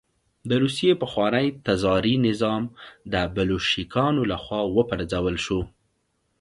د روسیې پخوانی تزاري نظام د بلشویکانو له خوا وپرځول شو